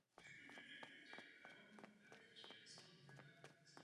Sochy z portálu jsou částečně v muzeu v Soissons.